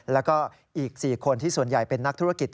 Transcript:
แล้วก็อีก๔คนที่ส่วนใหญ่เป็นนักธุรกิจ